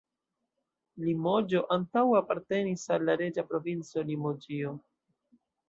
Limoĝo antaŭe apartenis al la reĝa provinco Limoĝio.